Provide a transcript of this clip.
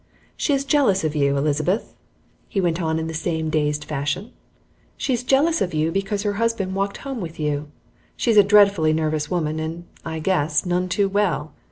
"She's jealous of you, Elizabeth," he went on in the same dazed fashion. "She's jealous of you because her husband walked home with you. She's a dreadfully nervous woman, and, I guess, none too well.